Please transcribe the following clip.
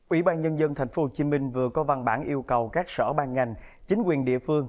ủy ban nhân dân tp hcm vừa có văn bản yêu cầu các sở ban ngành chính quyền địa phương